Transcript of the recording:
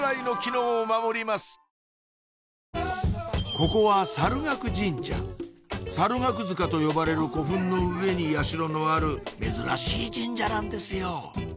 ここは猿楽神社猿楽塚と呼ばれる古墳の上に社のある珍しい神社なんですよ